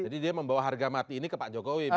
dia membawa harga mati ini ke pak jokowi